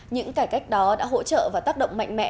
những cải cách đó đã hỗ trợ và tác động mạnh mẽ